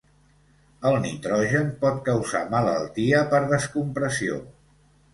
El nitrogen pot causar malaltia per descompressió.